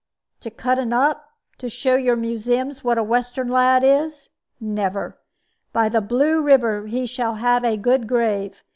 "To cut 'un up? To show your museums what a Western lad is? Never. By the Blue River he shall have a good grave.